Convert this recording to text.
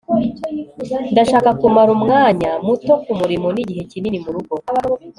ndashaka kumara umwanya muto kumurimo nigihe kinini murugo